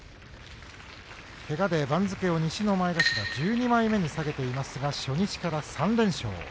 けがで番付を西の前頭１２枚目に下げていますが初日から３連勝。